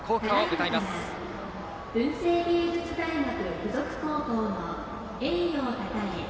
ただいまから文星芸術大学付属高校の栄誉をたたえ